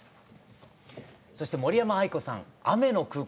そして森山愛子さん「雨の空港」